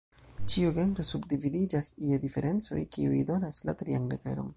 Ĉiu Genro subdividiĝas je "Diferencoj", kiuj donas la trian leteron.